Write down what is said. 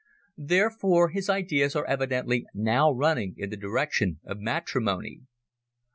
Therefore his ideas are evidently now running in the direction of matrimony.